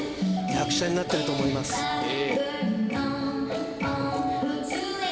役者になってると思いますええ